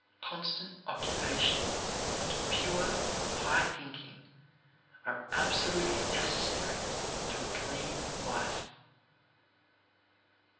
Constant occupation and pure, high thinking are absolutely necessary to a clean life.